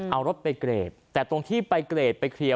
เอารถไปเกรดแต่ตรงที่ไปเกรดไปเคลียร์